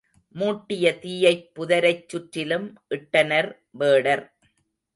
மூட்டிய தீயைப் புதரைச் சுற்றிலும் இட்டனர் வேடர்.